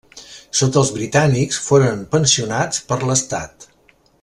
Sota els britànics foren pensionats per l'estat.